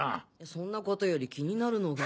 そんなことより気になるのが。